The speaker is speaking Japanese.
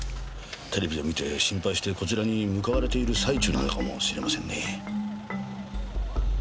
テレビで見て心配してこちらに向かわれている最中なのかもしれませんね。